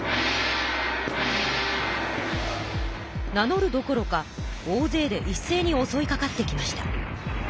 名のるどころか大ぜいでいっせいにおそいかかってきました。